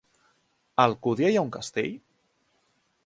A Alcúdia hi ha un castell?